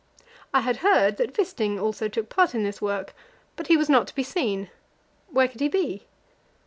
I had heard that Wisting also took part in this work, but he was not to be seen. Where could he be?